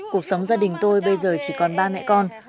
cuộc sống gia đình tôi bây giờ chỉ còn ba mẹ con